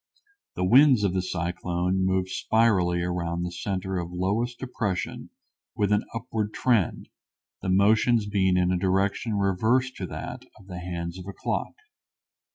The winds of the cyclone move spirally around the center of lowest depression with an upward trend, the motions being in a direction reversed to that of the hands of a clock.